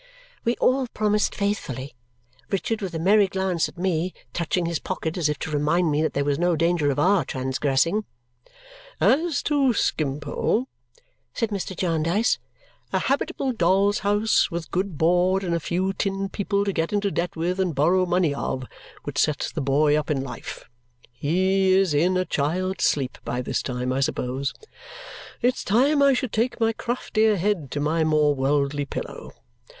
We all promised faithfully, Richard with a merry glance at me touching his pocket as if to remind me that there was no danger of OUR transgressing. "As to Skimpole," said Mr. Jarndyce, "a habitable doll's house with good board and a few tin people to get into debt with and borrow money of would set the boy up in life. He is in a child's sleep by this time, I suppose; it's time I should take my craftier head to my more worldly pillow.